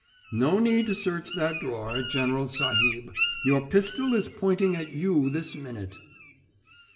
"No need to search that drawer, General Sahib. Your pistol is pointing at you this minute."